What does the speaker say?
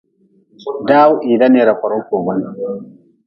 Daw hii daneera korgu kugun.